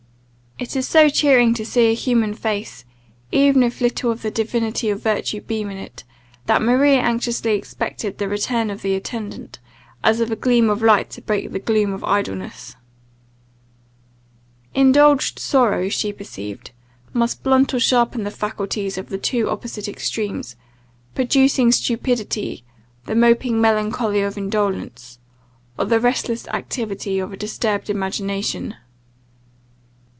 It is so cheering to see a human face, even if little of the divinity of virtue beam in it, that Maria anxiously expected the return of the attendant, as of a gleam of light to break the gloom of idleness. Indulged sorrow, she perceived, must blunt or sharpen the faculties to the two opposite extremes; producing stupidity, the moping melancholy of indolence; or the restless activity of a disturbed imagination.